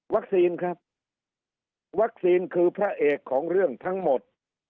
ครับวัคซีนคือพระเอกของเรื่องทั้งหมด